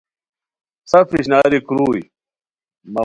سف اشناری کروئی